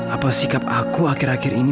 apa sikap aku akhir akhir ini